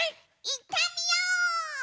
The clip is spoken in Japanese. いってみよう！